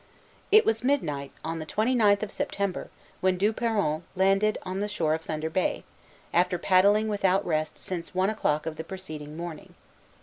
It was midnight, on the twenty ninth of September, when Du Peron landed on the shore of Thunder Bay, after paddling without rest since one o'clock of the preceding morning.